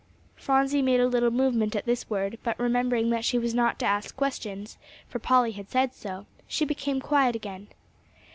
Phronsie made a little movement at this word, but, remembering that she was not to ask questions, for Polly had said so, she became quiet again.